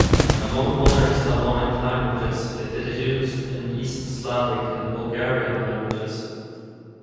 Among modern Slavonic languages, it is used in East Slavic and Bulgarian languages.